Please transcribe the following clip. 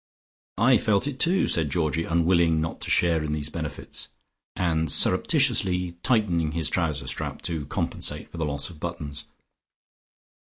"I felt it too," said Georgie, unwilling not to share in these benefits, and surreptitiously tightening his trouser strap to compensate for the loss of buttons.